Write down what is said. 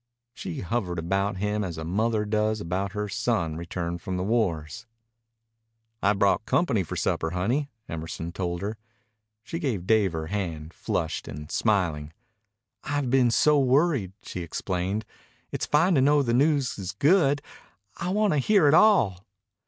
She hovered about him as a mother does about her son returned from the wars. "I've brought company for supper, honey," Emerson told her. She gave Dave her hand, flushed and smiling. "I've been so worried," she explained. "It's fine to know the news is good. I'll want to hear it all."